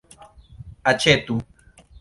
aĉetu